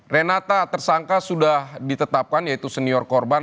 renata tersangka sudah ditetapkan yaitu senior korban